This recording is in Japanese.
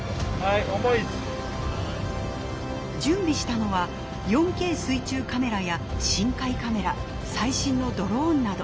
準備したのは４Ｋ水中カメラや深海カメラ最新のドローンなど。